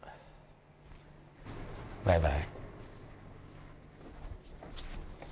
バイバイ。